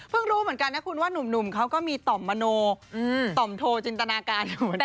รู้เหมือนกันนะคุณว่านุ่มเขาก็มีต่อมมโนต่อมโทจินตนาการอยู่เหมือนกัน